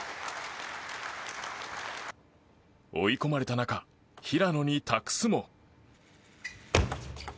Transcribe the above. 追い込まれた中平野に託すも。